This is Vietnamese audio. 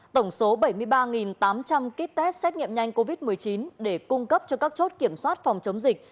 tổng số bảy mươi ba tám trăm linh kit test xét nghiệm nhanh covid một mươi chín để cung cấp cho các chốt kiểm soát phòng chống dịch